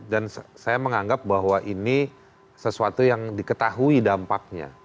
dan saya menganggap bahwa ini sesuatu yang diketahui dampaknya